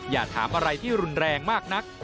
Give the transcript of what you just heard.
อย่าถามอะไรที่รุนแรงมากนัก